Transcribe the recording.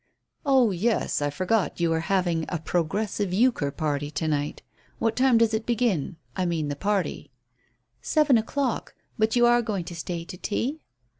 "Oh yes, I forgot you are having a 'Progressive Euchre' party to night. What time does it begin? I mean the party." "Seven o'clock. But you are going to stay to tea?"